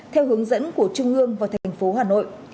theo hướng dẫn của trung ương và thành phố hà nội